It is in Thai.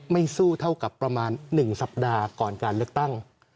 ไม่สู้เท่ากับประมาณ๑สัปดาห์ก่อนการเลือกตั้ง